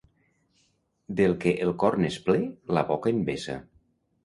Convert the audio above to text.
Del que el cor n'és ple la boca en vessa.